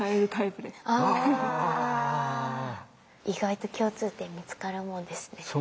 意外と共通点見つかるもんですね。